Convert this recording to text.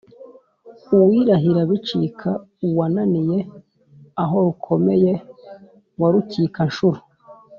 Uwirahira bicika uwananiye aho rukomeye wa Rukikanshuro,